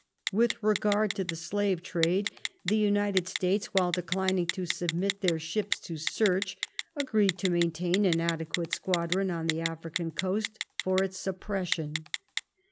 With regard to the slave trade, the United States, while declining to submit their ships to search, agreed to maintain an adequate squadron on the African coast for its suppression.